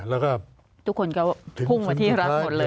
ทุกคนเขาพุ่งมาที่รัฐหมดเลย